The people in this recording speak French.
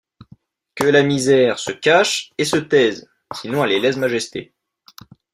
Que la misère se cache et se taise, sinon elle est lèse-majesté.